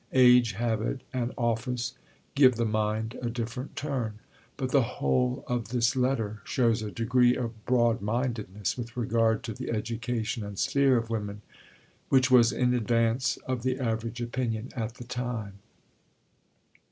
Age, habit, and office give the mind a different turn." But the whole of this letter shows a degree of broad mindedness with regard to the education and sphere of women which was in advance of the average opinion at the time.